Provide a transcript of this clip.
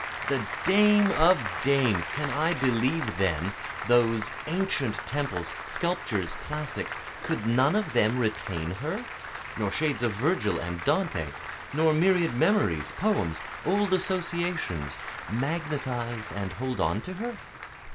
The dame of dames! can I believe then, Those ancient temples, sculptures classic, could none of them retain her? Nor shades of Virgil and Dante, nor myriad memories, poems, old associations, magnetize and hold on to her?